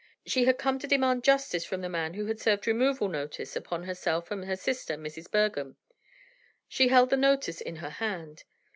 She had come to demand justice from the man who had served removal notice upon herself and her sister, Mrs. Bergham. She held the notice in her hand.